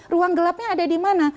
ruang gelapnya ada di mana